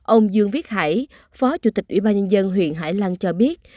ông dương viết hải phó chủ tịch ủy ban nhân dân huyện hải lăng cho biết